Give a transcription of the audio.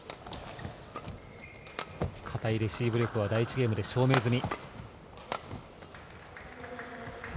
堅いレシーブ力は第１ゲームで証明済み。